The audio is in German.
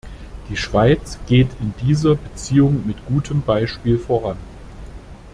Die Schweiz geht in dieser Beziehung mit gutem Beispiel voran.